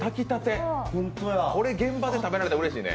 これ現場で食べられたらうれしいね。